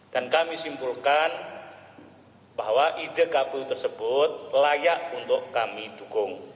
dan kami simpulkan bahwa ide kpu tersebut layak untuk kami dukung